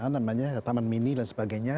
namanya taman mini dan sebagainya